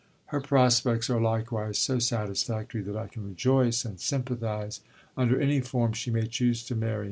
Her prospects are likewise so satisfactory, that I can rejoice and sympathize under any form she may choose to marry in.